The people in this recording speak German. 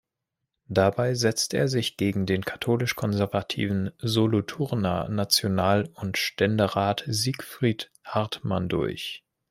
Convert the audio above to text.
Dabei setzte er sich gegen den katholisch-konservativen Solothurner National- und Ständerat Siegfried Hartmann durch.